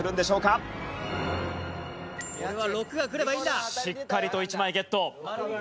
しっかりと１枚ゲット。